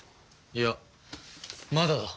いやまだだ。